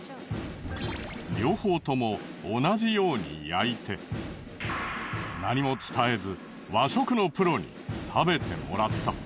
両方とも同じように焼いて何も伝えず和食のプロに食べてもらった。